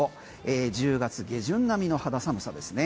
１０月下旬並みの肌寒さですね。